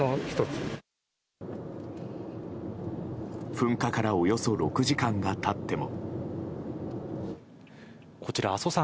噴火からおよそ６時間が経っても。